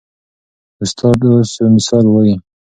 استاد اوس مثال وایي.